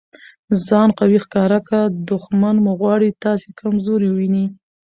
ځان قوي ښکاره که! دوښمن مو غواړي تاسي کمزوري وویني.